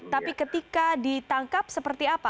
tapi ketika ditangkap seperti apa